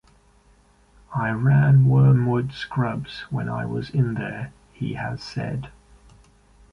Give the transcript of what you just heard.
"I ran Wormwood Scrubs when I was in there", he has said.